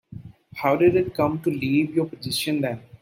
How did it come to leave your possession then?